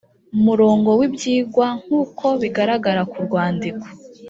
murongo w ibyigwa nk uko bigaragara ku rwandiko